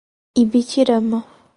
Ibitirama